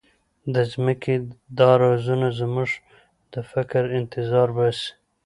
د ځمکې دا رازونه زموږ د فکر انتظار باسي.